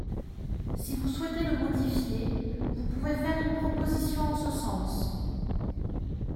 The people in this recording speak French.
Si vous souhaitez le modifier, vous pouvez faire une proposition en ce sens.